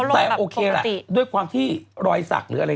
แต่โอเคแหละด้วยความที่รอยสัก